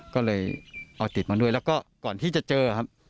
ก็เลยเอาติดมาด้วยแล้วก็ก่อนที่จะเจอครับ